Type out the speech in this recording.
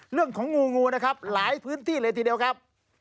งูงูนะครับหลายพื้นที่เลยทีเดียวครับ